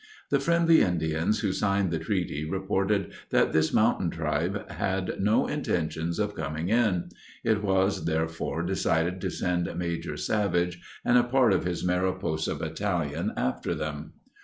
The friendly Indians who signed the treaty reported that this mountain tribe had no intentions of coming in. It was, therefore, decided to send Major Savage and a part of his Mariposa Battalion after them.